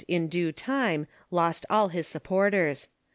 in due time lost all his supporters.